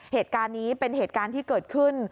เหตุการณ์นี้เป็นเหตุการณ์ที่เกิดขึ้น